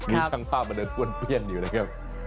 มีช่างภาพมาเดินป้วนเปี้ยนอยู่นะครับ